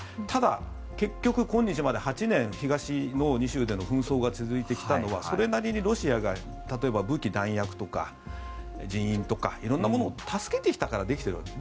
ただ、結局今日まで東の２州での紛争が続いてきたのはそれなりにロシアが例えば武器、弾薬とか人員とか色んなものを助けてきたからできている。